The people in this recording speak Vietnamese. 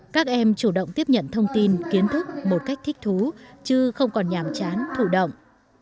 các em chủ động tiếp nhận thông tin kiến thức một cách thích thú chứ không còn nhàm chán thủ động